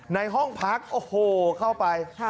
ในห้องพักเข้าไป